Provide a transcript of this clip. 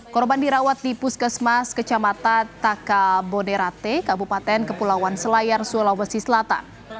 korban dirawat di puskesmas kecamatan taka boderate kabupaten kepulauan selayar sulawesi selatan